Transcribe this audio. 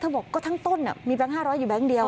เธอบอกก็ทั้งต้นน่ะมีแบงค์ห้าร้อยอยู่แบงค์เดียว